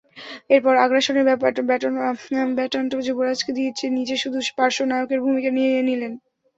এরপর আগ্রাসনের ব্যাটনটা যুবরাজকে দিয়ে নিজে শুধু পার্শ্ব নায়কের ভূমিকা নিয়ে নিলেন।